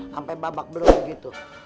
sampai babak belom gitu